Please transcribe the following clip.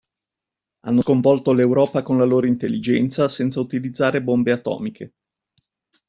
Hanno sconvolto l'Europa con la loro intelligenza senza utilizzare bombe atomiche.